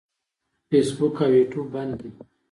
فیسبوک او یوټیوب بند دي.